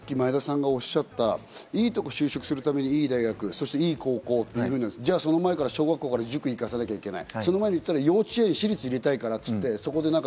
さっき前田さんがおっしゃった、いいところに就職するためにいい大学、いい高校っていうやつ、その前に小学校から塾に行かさなきゃいけない。